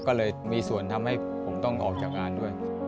ก็เลยมีส่วนทำให้ผมต้องออกจากงานด้วย